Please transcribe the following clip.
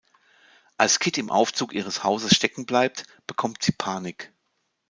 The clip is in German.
Als Kit im Aufzug ihres Hauses stecken bleibt, bekommt sie Panik.